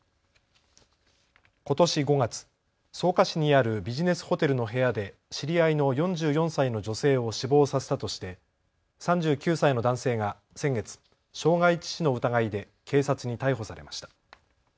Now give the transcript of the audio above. ことし５月、草加市にあるビジネスホテルの部屋で知り合いの４４歳の女性を死亡させたとして３９歳の男性が先月、傷害致死の疑いで警察に逮捕されました。